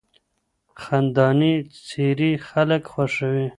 خندانې څېرې خلک خوښوي.